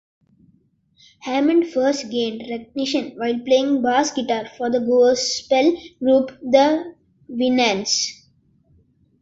Hammond first gained recognition while playing bass guitar for the gospel group The Winans.